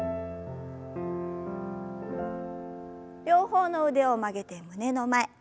両方の腕を曲げて胸の前。